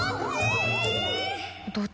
どどっち！？